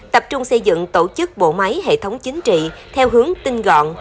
tập trung xây dựng tổ chức bộ máy hệ thống chính trị theo hướng tinh gọn